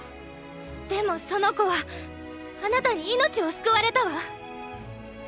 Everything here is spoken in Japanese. でもその子はあなたに命を救われたわ！